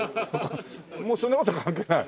もうそんな事関係ない？